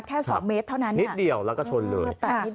๒เมตรเท่านั้นนิดเดียวแล้วก็ชนเลย